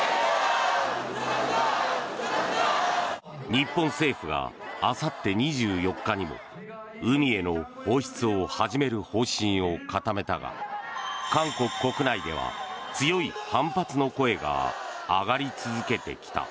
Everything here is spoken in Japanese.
日本政府があさって２４日にも海への放出を始める方針を固めたが韓国国内では、強い反発の声が上がり続けてきた。